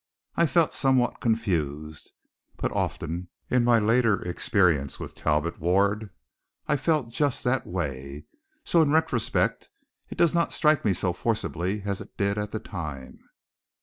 I felt somewhat confused. But often in my later experience with Talbot Ward I felt just that way, so in retrospect it does not strike me so forcibly as it did at that time.